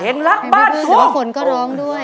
เพลงรักบ้านทุ่ง